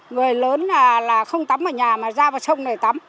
người lớn là không tắm ở nhà mà ra vào sông này tắm